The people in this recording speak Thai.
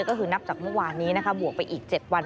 ก็คือนับจากเมื่อวานนี้นะคะบวกไปอีก๗วัน